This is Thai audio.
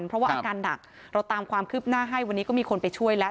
เพราะว่าอาการหนักเราตามความคืบหน้าให้วันนี้ก็มีคนไปช่วยแล้ว